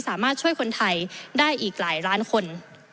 สามารถช่วยคนไทยได้อีกหลายล้านคน